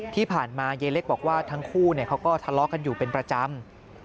ที่ผ่านมายายเล็กบอกว่าทั้งคู่เขาก็ทะเลาะกันอยู่เป็นประจำ